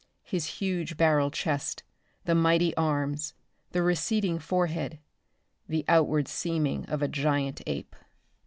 His huge barrel chest, the mighty arms, the receding forehead the outward seeming of a giant ape.